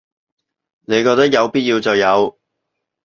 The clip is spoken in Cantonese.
你覺得有必要就有